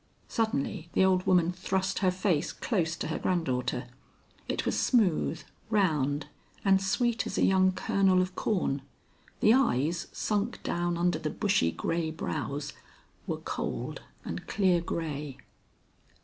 Suddenly the old woman thrust her face close to her granddaughter. It was smooth, round, and sweet as a young kernel of corn. The eyes, sunk down under the bushy grey brows, were cold and clear grey.